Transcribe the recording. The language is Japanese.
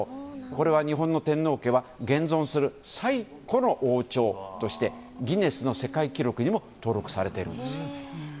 これは日本の天皇家は現存する最古の王朝としてギネスの世界記録にも登録されているんですよ。